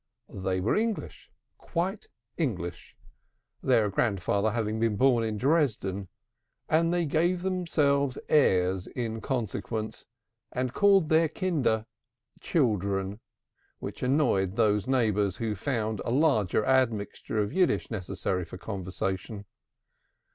They were English, quite English, their grandfather having been born in Dresden; and they gave themselves airs in consequence, and called their kinder "children," which annoyed those neighbors who found a larger admixture of Yiddish necessary for conversation.